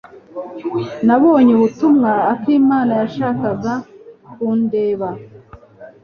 Nabonye ubutumwa akimana yashakaga kundeba.